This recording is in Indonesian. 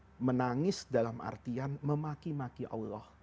dan dia menangis dalam artian memaki maki allah